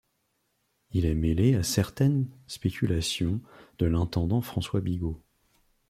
Il est mêlé à certaines spéculations de l'intendant François Bigot.